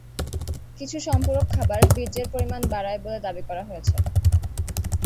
কিছু সম্পূরক খাবার বীর্যের পরিমাণ বাড়ায় বলে দাবি করা হয়েছে।